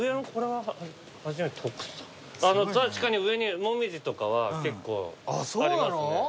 確かに上にモミジとかは結構ありますね。